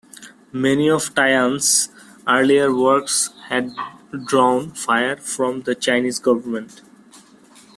Many of Tian's earlier works had drawn fire from the Chinese government.